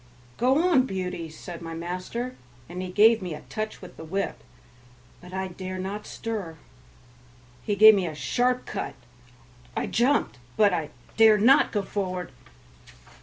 "Go on, Beauty," said my master, and he gave me a touch with the whip, but I dare not stir; he gave me a sharp cut; I jumped, but I dare not go forward.